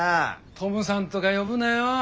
トムさんとか呼ぶなよ